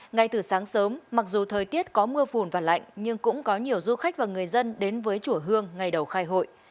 ngay từ sáng sớm mặc dù thời tiết có mưa phùn và lạnh nhưng cũng có nhiều du khách và người dân đến với chùa hương ngày đầu khai hội